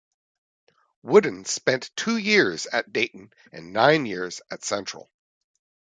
Wooden spent two years at Dayton and nine years at Central.